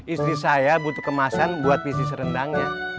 istri saya butuh kemasan buat bisnis rendangnya